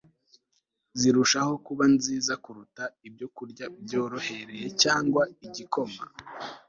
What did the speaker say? zirushaho kuba nziza kuruta ibyokurya byorohereye cyangwa igikoma